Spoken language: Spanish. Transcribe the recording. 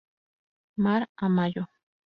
Mar a mayo.